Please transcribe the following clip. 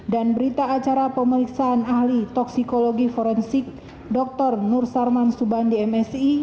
dan berita acara pemeriksaan ahli toksikologi forensik dr nur sarman subhan di msi